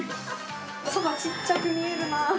そばちっちゃく見えるなー。